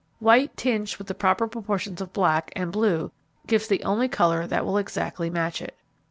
White tinged with the proper proportions of black and blue gives the only colour that will exactly match it.